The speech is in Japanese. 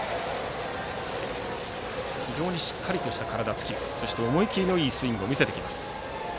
非常にしっかりとした体つきそして思い切りのいいスイングを見せてきます。